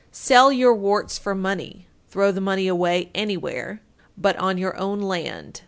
Sell your warts for money, throw the money away anywhere, but on your own land.